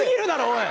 おい。